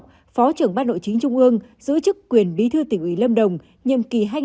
phó trưởng ban nội chính trung ương giữ chức quyền bí thư tỉnh ủy lâm đồng nhiệm kỳ hai nghìn hai mươi hai nghìn hai mươi